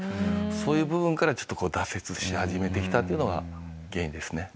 そういう部分からちょっと挫折し始めてきたというのが原因ですね。